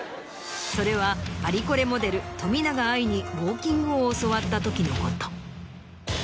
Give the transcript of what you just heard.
それはパリコレモデル冨永愛にウオーキングを教わったときのこと。